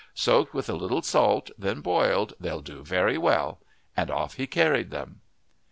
"Soaked with a little salt, then boiled, they'll do very well." And off he carried them.